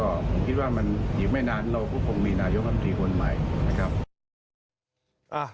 เราก็คงมีนายกรรมนตรีคนใหม่นะครับ